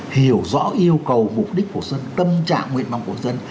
hiểu rõ yêu cầu mục đích của dân tâm trạng nguyện vọng của dân